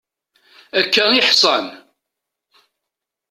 Akka i ḥṣan.